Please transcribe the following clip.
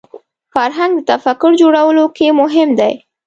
فرهنګ د تفکر جوړولو کې مهم دی